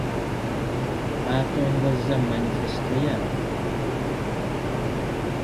Baatongozza manifesito yaabwe eggulo.